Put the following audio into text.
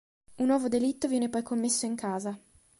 Un nuovo delitto viene poi commesso in casa.